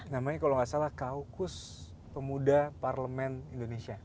namanya kalau nggak salah kaukus pemuda parlemen indonesia